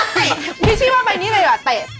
ไม่ที่ที่ว่าไปแบบนี้เลยว่าเตะ